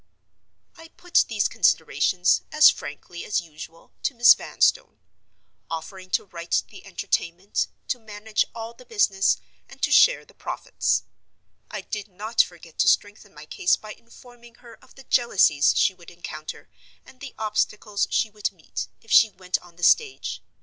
I put these considerations, as frankly as usual, to Miss Vanstone; offering to write the Entertainment, to manage all the business, and to share the profits. I did not forget to strengthen my case by informing her of the jealousies she would encounter, and the obstacles she would meet, if she went on the stage.